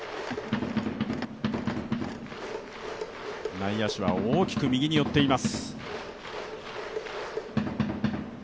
内野手は大きく右に寄っています。